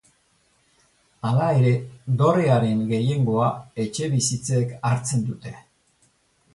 Hala ere, dorrearen gehiengoa etxebizitzek hartzen dute.